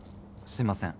すいません